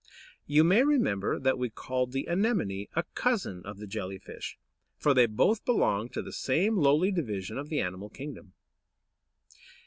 You may remember that we called the Anemone a cousin of the Jelly fish, for they both belong to the same lowly division of the Animal Kingdom.